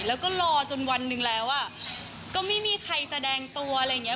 แล้วก็รอจนวันหนึ่งแล้วก็ไม่มีใครแสดงตัวอะไรอย่างนี้